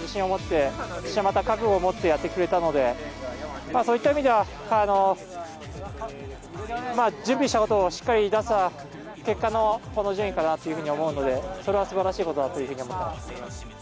自信を持って、そしてまた覚悟を持ってやってくれたので、そういった意味では、準備したことをしっかり出せた結果のこの順位かなっていうふうに思うので、それはすばらしいことだというふうに思っています。